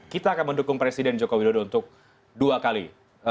kita akan mendukung presiden joko widodo untuk dua kali